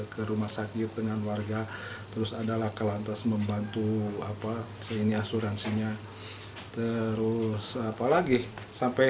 ke rumah sakit dengan warga terus adalah kelantas membantu apa sini asuransinya terus apalagi sampai